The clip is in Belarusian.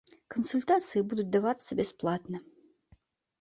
Кансультацыі будуць давацца бясплатна.